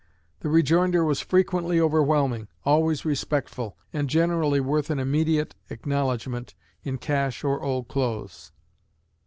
The rejoinder was frequently overwhelming, always respectful, and generally worth an immediate acknowledgment in cash or old clothes.